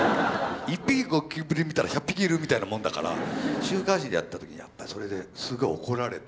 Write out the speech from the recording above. １匹ゴキブリ見たら１００匹いるみたいなもんだから週刊誌でやった時にやっぱりそれですごい怒られて。